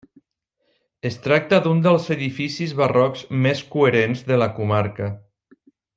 Es tracta d'un dels edificis barrocs més coherents de la comarca.